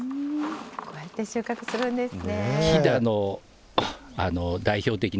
こうやって収穫するんですね。